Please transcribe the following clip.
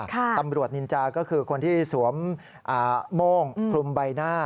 ตำรวจนินจาก็คือคนที่สวมโม่งคลุมใบหน้า